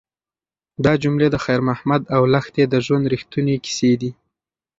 دا جملې د خیر محمد او لښتې د ژوند رښتونې کیسې دي.